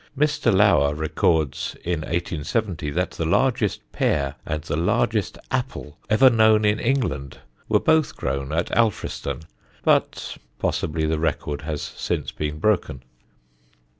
Mr. Lower records, in 1870, that the largest pear and the largest apple ever known in England were both grown at Alfriston, but possibly the record has since been broken.